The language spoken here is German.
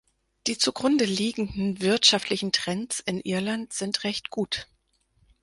Die zu Grunde liegenden wirtschaftlichen Trends in Irland sind recht gut.